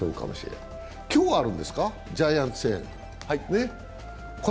今日あるんですか、ジャイアンツ戦ね。